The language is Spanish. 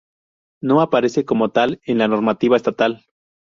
No aparece como tal en la normativa estatal.